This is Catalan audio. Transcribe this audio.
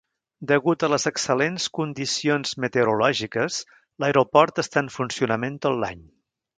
Degut a les excel·lents condicions meteorològiques, l"aeroport està en funcionament tot l"any.